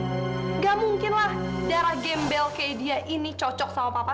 nggak mungkin lah darah gembel kayak dia ini cocok sama papa